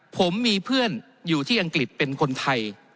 ผมมีเพื่อนอยู่ที่อังกฤษเป็นคนไทย